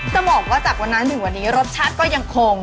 จะบอกว่าจากวันนั้นถึงวันนี้รสชาติก็ยังคง